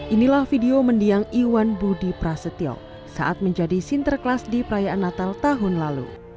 inilah video mendiang iwan budi prasetyo saat menjadi sinterklas di perayaan natal tahun lalu